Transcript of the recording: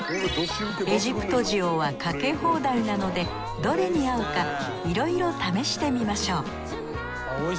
エジプト塩はかけ放題なのでどれに合うかいろいろ試してみましょう